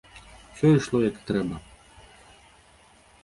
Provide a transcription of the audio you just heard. Усё ішло як і трэба.